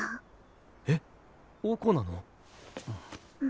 えっおこなの？